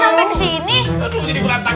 pengembang bola siapus